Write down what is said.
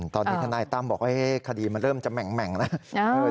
ตอนนี้ทนายตั้มบอกว่าคดีมันเริ่มจะแหม่งแล้ว